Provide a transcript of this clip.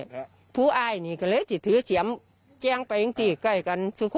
แล้วพูดอ้ายนี่ก็เลยถือเฉียมแจ้งไปนี้บนที